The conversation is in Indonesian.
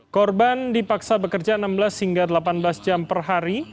korban dipaksa bekerja enam belas hingga delapan belas jam per hari